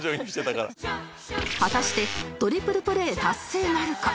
果たしてトリプルプレー達成なるか？